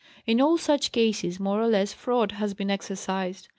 In all such cases more or less fraud has been exercised.